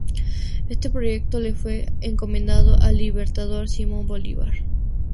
Este proyecto le fue encomendado al Libertador Simón Bolívar.